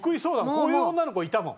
こういう女の子いたもん。